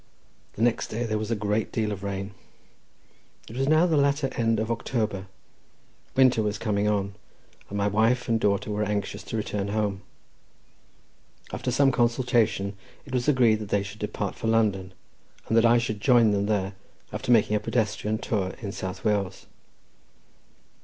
The next day there was a great deal of rain. It was now the latter end of October; winter was coming on, and my wife and daughter were anxious to return home. After some consultation, it was agreed that they should depart for London, and that I should join them there after making a pedestrian tour in South Wales.